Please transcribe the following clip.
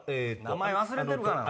名前忘れてるがな！